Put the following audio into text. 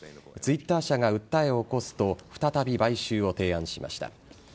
Ｔｗｉｔｔｅｒ社が訴えを起こすと再び買収を提案しました。